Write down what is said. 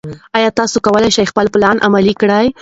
ایا ته کولی شې خپل پلان عملي کړې؟